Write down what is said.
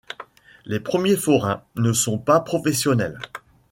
Les premiers forains ne sont pas professionnels.